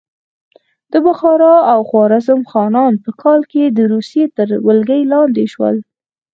د بخارا او خوارزم خانان په کال کې د روسیې تر ولکې لاندې شول.